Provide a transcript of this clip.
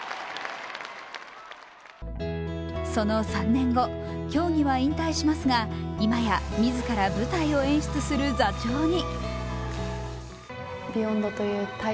その３年後、競技は引退しますが今や自ら舞台を演出する座長に。